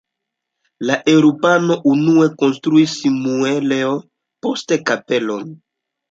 La eŭropanoj unue konstruis muelejon, poste kapelon.